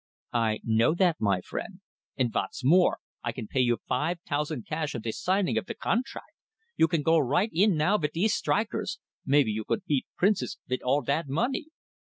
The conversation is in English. "I know that, my friend." "And vot's more, I pay you five tousand cash on de signin' of de contract. You can go right in now vit dese strikers maybe you could beat Prince's vit all dat money!"